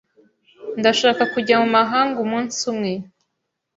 Ndashaka kujya mu mahanga umunsi umwe.